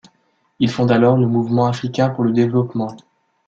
Il fonde alors le Mouvement Africain pour le Développement.